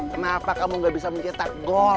kenapa kamu gak bisa mencetak gol